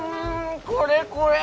これこれ！